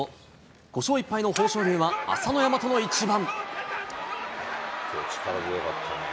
５勝１敗の豊昇龍は朝乃山との一番。